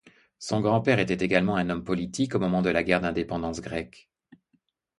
Son grand-père était également un homme politique au moment de la Guerre d'indépendance grecque.